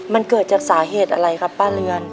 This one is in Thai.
มันเกิดจากสาเหตุอะไรครับป้าเรือน